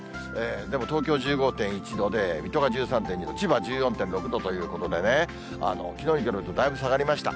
でも東京１５．１度で、水戸が１３．２度、千葉１４．６度ということでね、きのうに比べるとだいぶ下がりました。